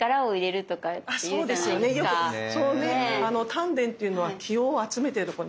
丹田っていうのは気を集めてるところ。